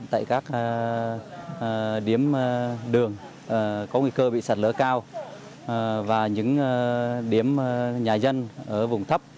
tại các điểm đường có nguy cơ bị sạt lở cao và những điểm nhà dân ở vùng thấp